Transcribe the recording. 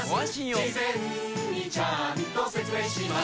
事前にちゃんと説明します